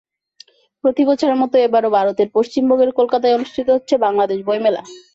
প্রতি বছরের মতো এবারও ভারতের পশ্চিমবঙ্গের কলকাতায় অনুষ্ঠিত হতে যাচ্ছে বাংলাদেশ বইমেলা।